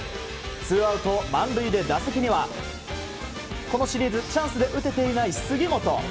ツーアウト満塁で打席にはこのシリーズチャンスで打てていない杉本。